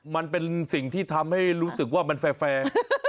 มันเป็นสิ่งที่ทำให้รู้สึกว่ามันแฟร์